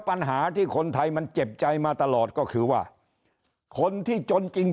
ปัญหาที่คนไทยมันเจ็บใจมาตลอดก็คือว่าคนที่จนจริง